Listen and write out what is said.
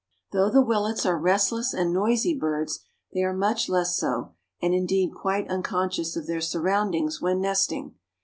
] Though the Willets are restless and noisy birds, they are much less so, and, indeed, quite unconscious of their surroundings when nesting.